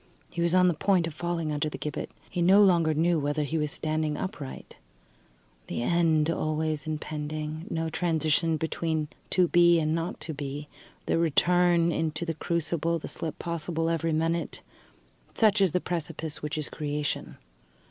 He was on the point of falling under the gibbet. He no longer knew whether he was standing upright. The end always impending, no transition between to be and not to be, the return into the crucible, the slip possible every minute such is the precipice which is Creation.